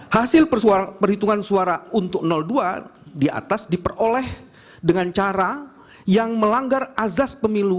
hasil perhitungan suara untuk dua di atas diperoleh dengan cara yang melanggar azas pemilu